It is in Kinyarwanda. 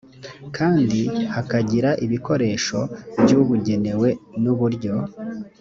kandi hakagira ibikoresho byabugenewe n uburyo